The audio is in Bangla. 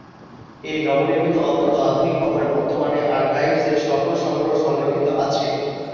এই নবনির্মিত অত্যন্ত আধুনিক ভবনে বর্তমানে আর্কাইভস এর সকল সংগ্রহ সংরক্ষিত আছে।